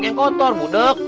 yang kotor budeg